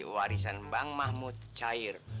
warisan bang mahmud cair